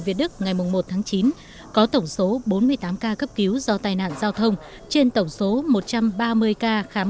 việt đức ngày một tháng chín có tổng số bốn mươi tám ca cấp cứu do tai nạn giao thông trên tổng số một trăm ba mươi ca khám